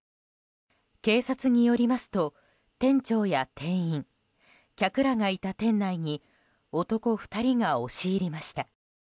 警察によりますと、店長や店員客らがいた店内に男２人が押し入りました。